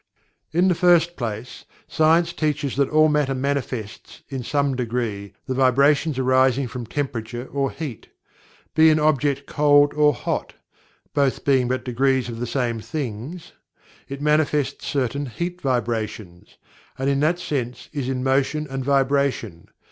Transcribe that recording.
In the first place, science teaches that all matter manifests, in some degree, the vibrations arising from temperature or heat. Be an object cold or hot both being but degrees of the same things it manifests certain heat vibrations, and in that sense is in motion and vibration.